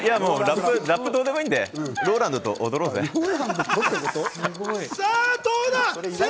ラップどうでもいいんで、ＲＯＬＡＮＤと踊ろうぜ。